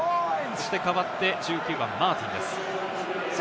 代わって１９番マーティンです。